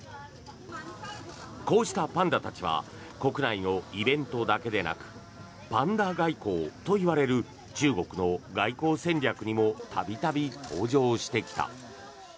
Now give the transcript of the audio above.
こうしたパンダたちは国内のイベントだけでなくパンダ外交といわれる中国の外交戦略にも度々登場してきた。